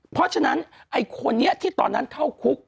เพราะฉะนั้นไอ้คนนี้ที่ตอนนั้นเข้าคุก